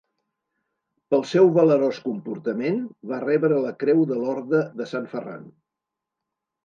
Pel seu valerós comportament, va rebre la creu de l'Orde de Sant Ferran.